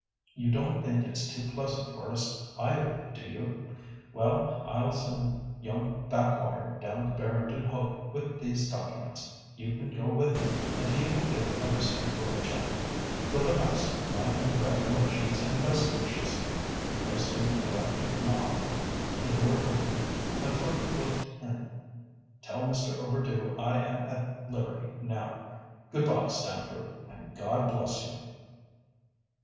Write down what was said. You don't think it's too pleasant for us either, do you? Well, I'll send young Backwater down to Barrington Hope with these documents. You can go with him, and he will give a receipt for the cheque. For the rest, my congratulations and best wishes." He pressed an electric knob, the door opened, a clerk looked in. "Tell Mr. Overdue I am at liberty now. Good bye, Stamford, and God bless you!"